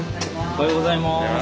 おはようございます。